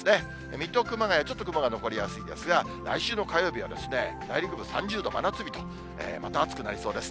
水戸、熊谷、ちょっと雲が残りやすいですが、来週の火曜日はですね、内陸部３０度、真夏日と、また暑くなりそうです。